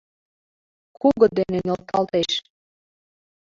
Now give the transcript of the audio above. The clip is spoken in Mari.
Кугыт дене нӧлталтеш.